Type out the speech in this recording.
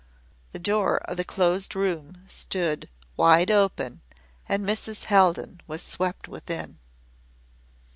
The door of the Closed Room stood wide open and Mrs. Haldon was swept within.